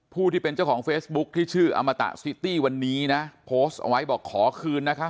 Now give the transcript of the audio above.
ผู้ที่เป็นเจ้าของเฟซบุ๊คที่ชื่ออมตะซิตี้วันนี้นะโพสต์เอาไว้บอกขอคืนนะคะ